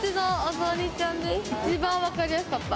一番分かりやすかった！